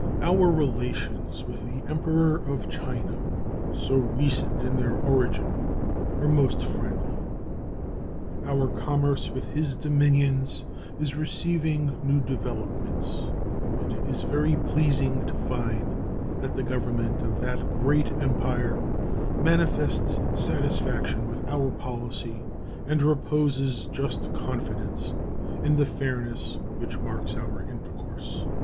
Our relations with the Emperor of China, so recent in their origin, are most friendly. Our commerce with his dominions is receiving new developments, and it is very pleasing to find that the Government of that great Empire manifests satisfaction with our policy and reposes just confidence in the fairness which marks our intercourse.